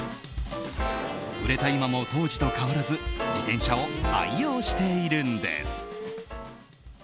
売れた今も当時と変わらず自転車を愛用しているんです。